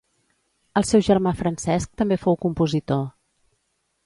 El seu germà Francesc també fou compositor.